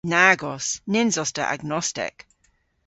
Nag os. Nyns os ta agnostek.